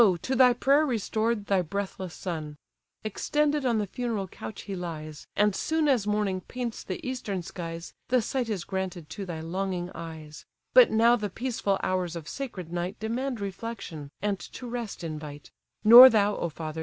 to thy prayer restored, thy breathless son; Extended on the funeral couch he lies; And soon as morning paints the eastern skies, The sight is granted to thy longing eyes: But now the peaceful hours of sacred night Demand reflection, and to rest invite: Nor thou, O father!